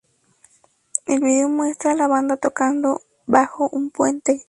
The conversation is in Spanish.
El video muestra a la banda tocando bajo un puente.